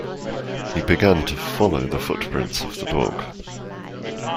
He began to follow the footprints of the dog.